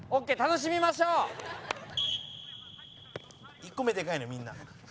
１個目でかいのよみんな。